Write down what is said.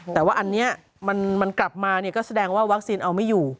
แต่ว่าอันนี้มันกลับมาก็แสดงว่าวัคซีนเอาไม่อยู่